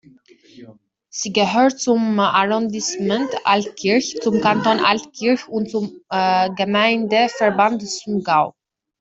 Sie gehört zum Arrondissement Altkirch, zum Kanton Altkirch und zum Gemeindeverband Sundgau.